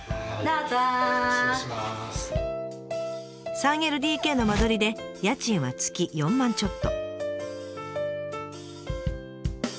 ３ＬＤＫの間取りで家賃は月４万ちょっと。